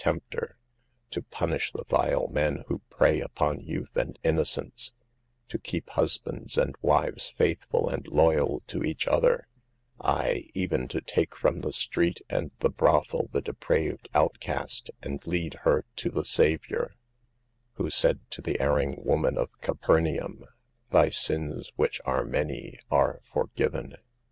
231 tempter; to punish the vile men who prey upon youth and innocence ; to keep husbands and wives faithful and loyal to each other; aye, even to take from the street and the brothel the depraved outcast, and lead her to the Savior, who said to the erring woman of Capernaum, " Thy sins, which are many, are forgiven."